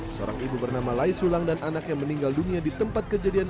seorang ibu bernama lai sulang dan anak yang meninggal dunia di tempat kejadian